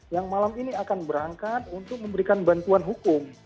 yang malam ini akan berangkat untuk memberikan bantuan hukum